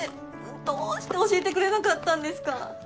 どうして教えてくれなかったんですか。